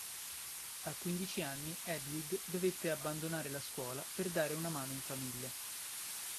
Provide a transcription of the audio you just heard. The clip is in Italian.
A quindici anni Hedwig dovette abbandonare la scuola per dare una mano in famiglia.